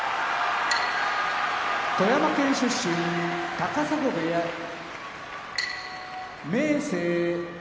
富山県出身高砂部屋明生